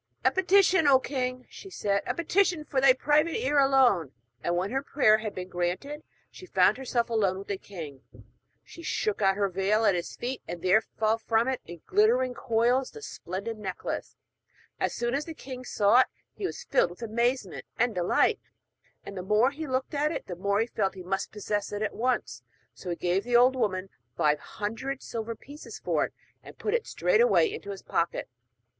'A petition, O king!' she said. 'A petition for thy private ear alone!' And when her prayer had been granted, and she found herself alone with the king, she shook out her veil at his feet, and there fell from it in glittering coils the splendid necklace. As soon as the king saw it he was filled with amazement and delight, and the more he looked at it the more he felt that he must possess it at once. So he gave the old woman five hundred silver pieces for it, and put it straightway into his pocket.